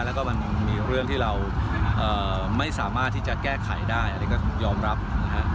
แล้วก็มันมีเรื่องที่เราไม่สามารถที่จะแก้ไขได้อันนี้ก็ยอมรับนะฮะ